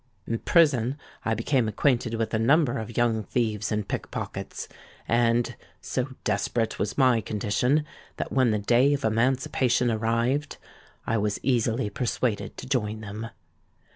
"In prison I became acquainted with a number of young thieves and pickpockets; and, so desperate was my condition, that when the day of emancipation arrived, I was easily persuaded to join them.